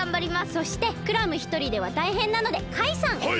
そしてクラムひとりではたいへんなのでカイさん！はい！？